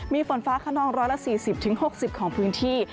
มีฝนฟ้าขนอง๑๔๐๖๐ของพื้นที่